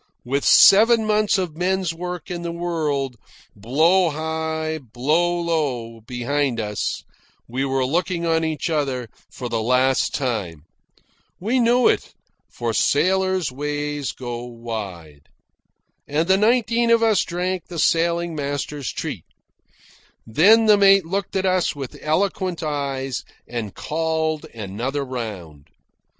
With seven months of men's work in the world, blow high, blow low, behind us, we were looking on each other for the last time. We knew it, for sailors' ways go wide. And the nineteen of us drank the sailing master's treat. Then the mate looked at us with eloquent eyes and called another round.